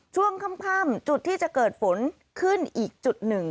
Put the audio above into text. ช่วงค่ำจุดที่จะเกิดฝนขึ้นอีกจุดหนึ่ง